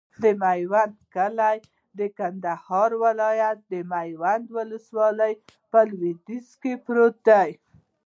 د میوند کلی د کندهار ولایت، میوند ولسوالي په لویدیځ کې پروت دی.